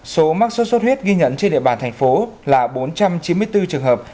số mắc sốt xuất huyết ghi nhận trên địa bàn thành phố là bốn trăm chín mươi bốn trường hợp